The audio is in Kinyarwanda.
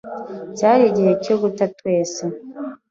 Cari igihe cyo guta twese.